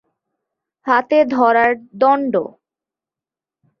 হাতে ধরার দণ্ড।